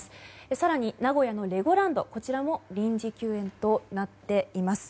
更に、名古屋のレゴランドも臨時休園となっています。